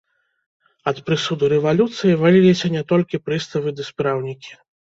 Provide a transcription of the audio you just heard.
Ад прысуду рэвалюцыі валіліся не толькі прыставы ды спраўнікі.